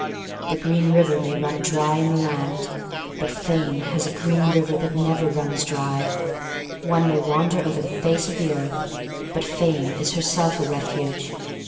The green river may run dry in the land. But Fame has a green river that never runs dry. One may THE STORY OF MARY MAC LANE 235 wander over the face of the earth. But Fa'me is herself a refuge.